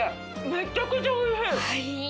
めっちゃくちゃおいしい。